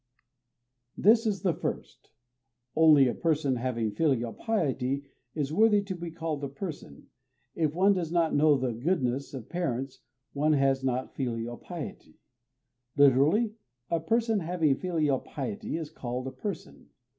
This is the first: [Only] a person having filial piety is [worthy to be] called a person: If one does not know the goodness of parents, one has not filial piety. Lit., "A person having filial piety is called a person."